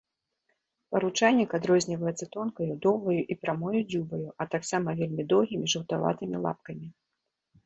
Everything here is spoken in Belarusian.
Паручайнік адрозніваецца тонкаю, доўгаю і прамою дзюбаю, а таксама вельмі доўгімі жаўтаватым лапкамі.